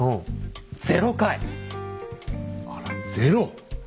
あらゼロ！